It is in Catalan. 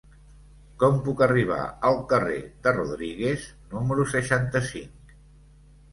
Com puc arribar al carrer de Rodríguez número seixanta-cinc?